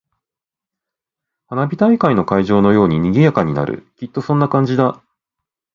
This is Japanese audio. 花火大会の会場のように賑やかになる。きっとそんな感じだ。